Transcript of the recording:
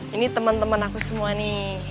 ini temen temen aku semua nih